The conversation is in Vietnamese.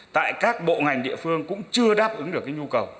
tại các bộ ngành địa phương cũng chưa đáp ứng được cái nhu cầu